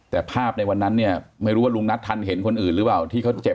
แต่ภาพในวันนั้นเนี่ยไม่รู้ว่าลุงนัททันเห็นคนอื่นหรือเปล่าที่เขาเจ็บ